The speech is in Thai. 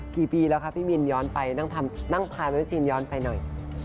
กี่ปีแล้วคะพี่มินย้อนไปนั่งทานไว้ชินย้อนไปหน่อย